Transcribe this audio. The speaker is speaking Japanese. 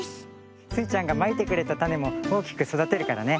スイちゃんがまいてくれたたねもおおきくそだてるからね。